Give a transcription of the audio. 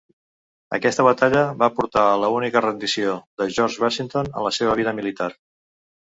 Aquesta batalla va portar a l'única rendició de George Washington en la seva vida militar.